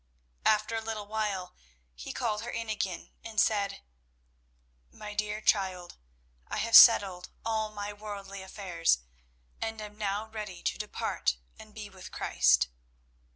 After a little while, he called her in again, and said "My dear child, I have settled all my worldly affairs, and am now ready to depart and be with Christ."